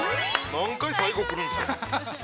◆何回、最後来るんですか。